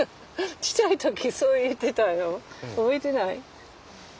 ちっちゃい時そう言ってたよ覚えてない？